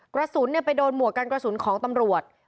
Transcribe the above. กระสูนแต่ไปโดนหมวกลางกระสูนของตำรวจ